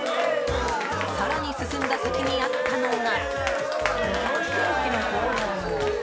更に進んだ先にあったのが。